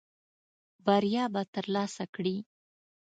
بریا به ترلاسه کړې .